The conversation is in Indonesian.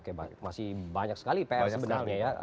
oke masih banyak sekali pr sebenarnya ya